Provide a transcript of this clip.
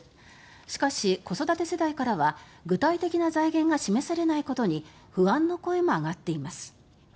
しかし、子育て世代からは具体的な財源が示されないことに不安の声も上がっています。